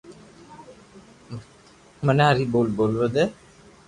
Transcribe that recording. مني ھري ٻول ٻولوا دي